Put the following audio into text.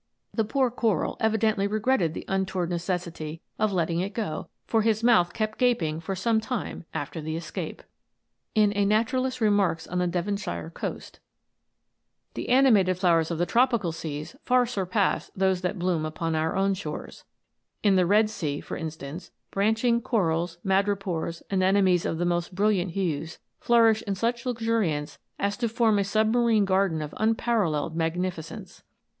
The poor coral evidently regretted the untoward necessity of let ting it go, for his mouth kept gaping for some time after the escape.* The animated flowers of the tropical seas far sur pass those that bloom on our own shores. In the Red Sea, for instance, branching corals, madrepores, anemones of the most brilliant hues, flourish in such luxuriance as to form a submarine garden of unpa ralleled magnificence.